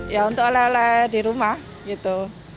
ya untuk oleh oleh di rumah gitu